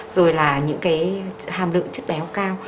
rồi là những hàm lượng chất béo cao